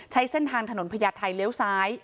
ใช้เส้นทางถนนพญาไทยเลี้ยวซ้าย